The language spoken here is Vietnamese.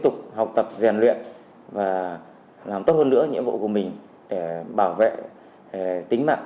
tục học tập rèn luyện và làm tốt hơn nữa nhiệm vụ của mình để bảo vệ tính mạng